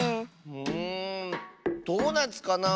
んドーナツかなあ。